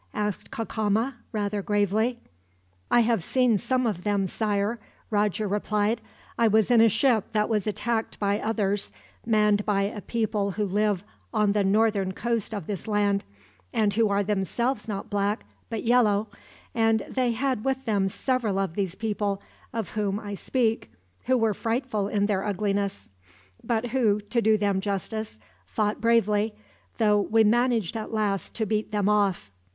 asked Cacama, rather gravely. "I have seen some of them, Sire," Roger replied. "I was in a ship that was attacked by others, manned by a people who live on the northern coast of this land, and who are themselves not black but yellow; and they had with them several of these people of whom I speak, who were frightful in their ugliness; but who, to do them justice, fought bravely, though we managed at last to beat them off.